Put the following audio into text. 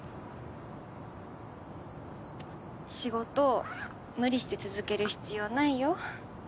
仕事無理して続ける必要ないよ。